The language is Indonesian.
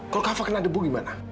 kalau kafa kena debu gimana